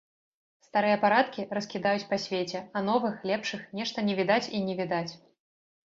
Старыя парадкі раскідаюць па свеце, а новых, лепшых, нешта не відаць і не відаць.